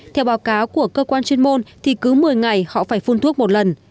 theo báo cáo của cơ quan chuyên môn thì cứ một mươi ngày họ phải phun thuốc một lần